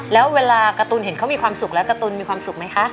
แล้วเวลาการ์ตูนเห็นเขามีความสุขแล้วการ์ตูนมีความสุขไหมคะ